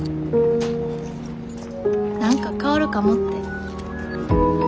何か変わるかもって。